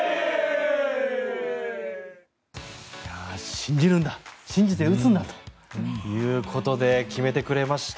信じるんだ信じて打つんだということで決めてくれました。